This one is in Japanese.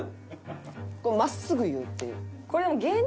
こう真っすぐ言うっていう。